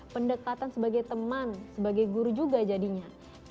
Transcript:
pendekatan sebagai teman sebagai guru juga jadinya